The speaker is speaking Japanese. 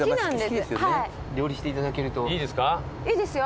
いいですよ。